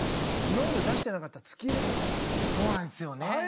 今まで出してなかった突き入れてきたんですよね。